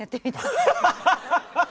ハハハハハ。